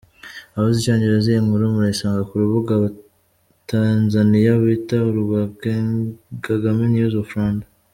Abazi icyongereza iyi nkuru murayisanga ku rubuga abatanzaniya bita urwa KagameNews of Rwanda.